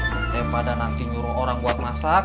daripada nanti nyuruh orang buat masak